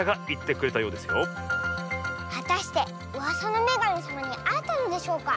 はたしてうわさのめがみさまにあえたのでしょうか？